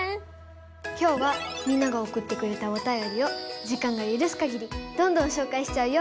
きょうはみんながおくってくれたおたよりを時間のゆるすかぎりどんどん紹介しちゃうよ！